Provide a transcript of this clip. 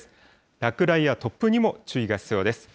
落雷や突風にも注意が必要です。